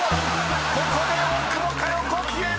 ここで大久保佳代子消える！］